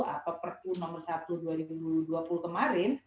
atau perpu nomor satu dua ribu dua puluh kemarin